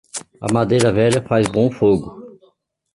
A madeira velha faz bom fogo.